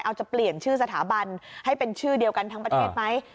เอาจะเปลี่ยนชื่อสถาบันให้เป็นชื่อเดียวกันทั้งประเทศไหม